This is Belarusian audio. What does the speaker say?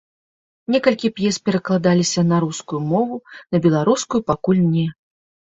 Некалькі п'ес перакладаліся на рускую мову, на беларускую пакуль не.